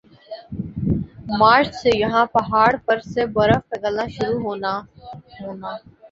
مارچ سے یَہاں پہاڑ پر سے برف پگھلنا شروع ہونا ہونا